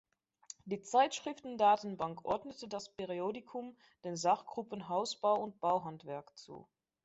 Die Zeitschriftendatenbank ordnete das Periodikum den Sachgruppen Hausbau und Bauhandwerk zu.